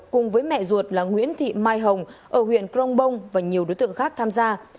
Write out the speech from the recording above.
cùng với mẹ ruột là nguyễn thị mai hồng ở huyện crong bông và nhiều đối tượng khác tham gia